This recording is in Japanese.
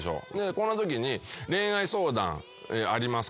こんなときに「恋愛相談ありますか？」